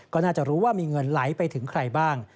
ก็น่าจะรู้ว่ามีเงินไหลไปถึงใครบ้าง